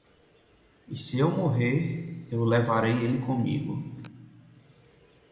E se eu morrer, eu levarei ele comigo